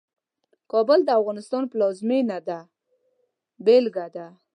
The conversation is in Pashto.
کابل د افغانستان پلازمېنه ده بېلګه ده.